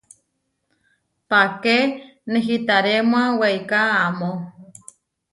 Páke nehitarémua weiká amó.